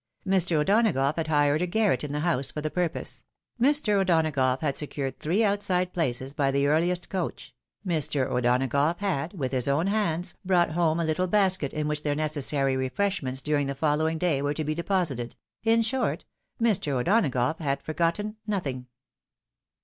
Air. O'Donagough had hired a garret in the house for the purpose — ^Mr. O'Donagough had secured three outside places by the earliest coach — ^Mr. O'Donagough had, with his own hands, brought home a little basket in which their necessary refresh ments during the following day were to be deposited — ^in short, IS'Ir. O'Danagough had forgotten nothing.